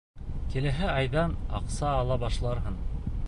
Киләһе айҙан аҡса ала башларһың...